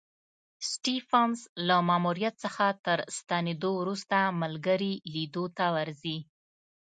سټېفنس له ماموریت څخه تر ستنېدو وروسته ملګري لیدو ته ورځي.